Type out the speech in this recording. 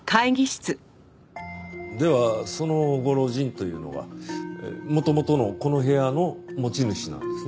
ではそのご老人というのは元々のこの部屋の持ち主なんですね？